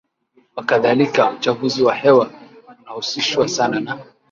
waKadhalika uchafuzi wa hewa unahusishwa sana na